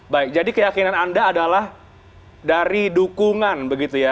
baik jadi keyakinan anda adalah dari dukungan begitu ya